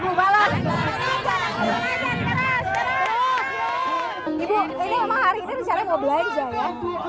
ibu ini memang hari ini rancangnya mau belanja ya